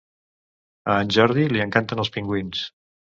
A en Jordi li encanten els pingüins!